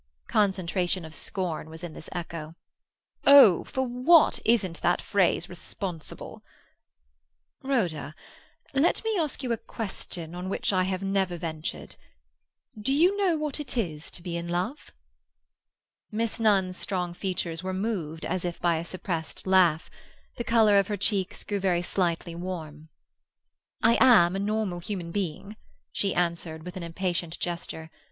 Concentration of scorn was in this echo. "Oh, for what isn't that phrase responsible!" "Rhoda, let me ask you a question on which I have never ventured. Do you know what it is to be in love?" Miss Nunn's strong features were moved as if by a suppressed laugh; the colour of her cheeks grew very slightly warm. "I am a normal human being," she answered, with an impatient gesture.